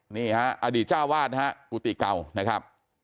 นี่อดีตจ้าวาสนะครับกุติเก่านะครับ